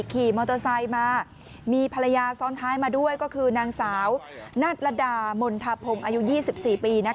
ขี่มอเตอร์ไซค์มามีภรรยาซ้อนท้ายมาด้วยก็คือนางสาวนัทระดามณฑพงศ์อายุ๒๔ปี